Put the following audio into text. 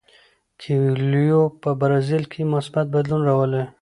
کویلیو په برازیل کې مثبت بدلون راولي.